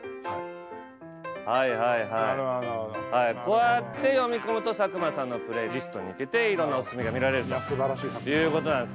こうやって読み込むと佐久間さんのプレイリストにいけていろんなオススメが見られるということなんですね。